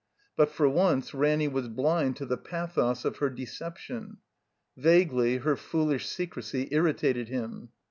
But for once Ranny was bhnd to the pathos of her deception. Vaguely her foolish secrecy irritated him.